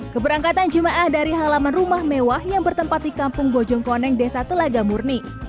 keberangkatan jemaah dari halaman rumah mewah yang bertempat di kampung bojongkoneng desa telaga murni